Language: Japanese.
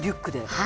はい。